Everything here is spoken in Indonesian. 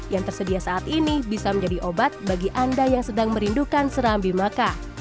yang tersedia saat ini bisa menjadi obat bagi anda yang sedang merindukan serambi maka